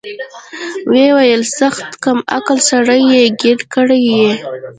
ويې ويل سخت کم عقله سړى يې ګير کړى يې.